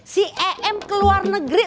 si em keluar negeri